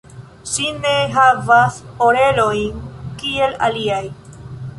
Ŝi ne havas orelojn kiel aliaj.